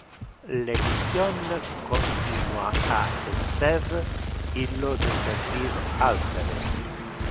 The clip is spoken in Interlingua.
Le mission continua a esser illo de servir alteres.